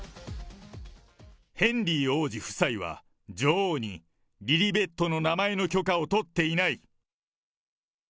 ヘンリー王子夫妻は、女王にリリベットの名前の許可を取っていない。